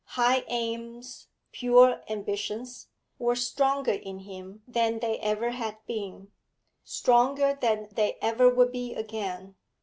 High aims, pure ambitions, were stronger in him than they ever had been; stronger than they ever would be again.